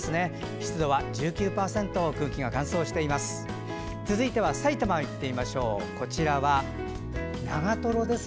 湿度は１９％で空気が乾燥しています。